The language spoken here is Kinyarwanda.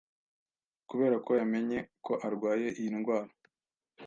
kubera ko yamenye ko arwaye iyi ndwara.